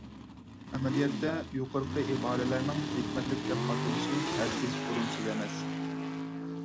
ئەمەلىيەتتە، يۇقىرىقى ئىبارىلەرنىڭ ھېكمەتلىك دەپ ئاتىلىشى ھەرگىز ئورۇنسىز ئەمەس.